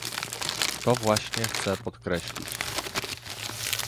To właśnie chcę podkreślić